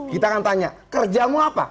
kita akan tanya kerja kamu apa